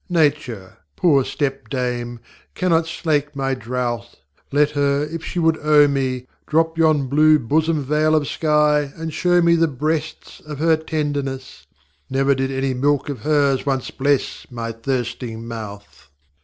Nature, poor stepdame, cannot slake my drouth; Let her, if she would owe me, Drop yon blue bosom veil of sky, and show me The breasts oŌĆÖ her tenderness: Never did any milk of hers once bless My thirsting mouth.